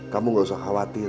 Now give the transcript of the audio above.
kamu nggak usah khawatir